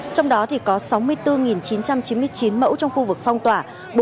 trong đó có sáu mươi bốn chín trăm chín mươi chín mẫu trong khu vực phong tỏa